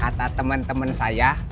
kata temen temen saya